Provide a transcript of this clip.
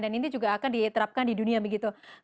dan ini juga akan diterapkan di dunia begitu